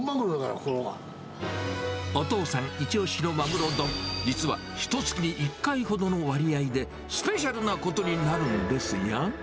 お父さん一押しのマグロ丼、実はひとつきに１回ほどの割合でスペシャルなことになるんですが。